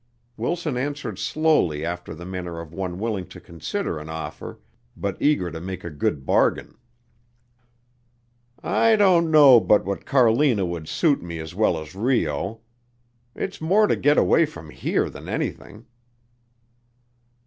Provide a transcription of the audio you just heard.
Wilson answered slowly after the manner of one willing to consider an offer but eager to make a good bargain. "I don't know but what Carlina would suit me as well as Rio. It's more to get away from here than anything."